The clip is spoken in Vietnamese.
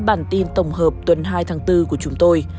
bản tin tổng hợp tuần hai tháng bốn của chúng tôi